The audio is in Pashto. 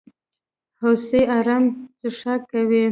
هوسۍ ارام څښاک کوي.